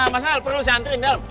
mas al perlu disiantriin dalam